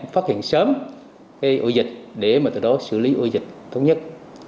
phát hiện sớm cái ụ dịch để mà từ đó xử lý ụ dịch tốt nhất